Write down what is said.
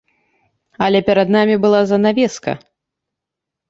Але перад намі была занавеска.